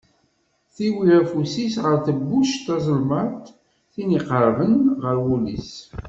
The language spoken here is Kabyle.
Tiwi afus-iw ɣer tebbuct-is tazelmaḍt, tin iqerben ɣer wul-is.